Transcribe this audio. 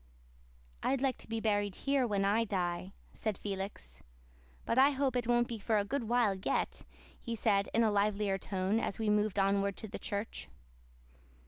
"I'd like to be buried here when I die," said Felix. "But I hope it won't be for a good while yet," he added in a livelier tone, as we moved onward to the church.